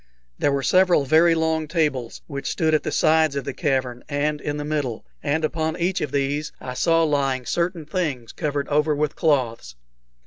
There were several very long tables, which stood at the sides of the cavern and in the middle, and upon each of these I saw lying certain things covered over with cloths.